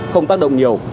không tác động nhiều